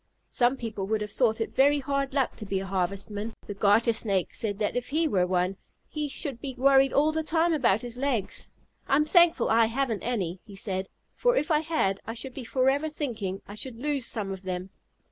Some people would have thought it very hard luck to be Harvestmen. The Garter Snake said that if he were one, he should be worried all the time about his legs. "I'm thankful I haven't any," he said, "for if I had I should be forever thinking I should lose some of them.